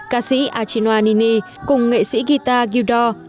ca sĩ achinoa nini cùng nghệ sĩ guitar gildor